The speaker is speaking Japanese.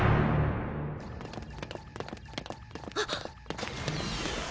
あっ！